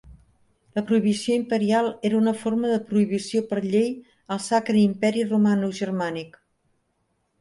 La prohibició imperial era una forma de prohibició per llei al Sacre Imperi Romanogermànic.